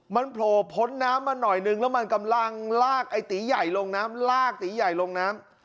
มันโผล่พ้นน้ำมาหน่อยหนึ่งแล้วมันกำลังลากไอ้ตีใหญ่ลงน้ำ